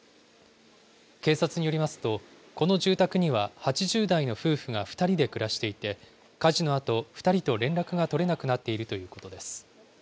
警察によりますと、この住宅には８０代の夫婦が２人で暮らしていて、火事のあと、２人と連絡が取れなくなっているということです。